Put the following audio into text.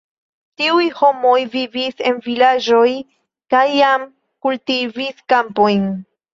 Tiuj homoj vivis en vilaĝoj kaj jam kultivis kampojn.